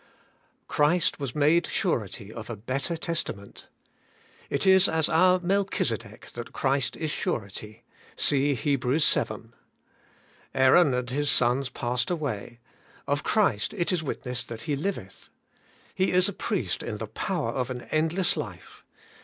Christ was made surety of a better testament. It is as our Melchisedec that Christ is surety (see Heh. vii.), Aaron and his sons passed away; of Christ it is witnessed that He liveth. He is priest in the power of an endless life.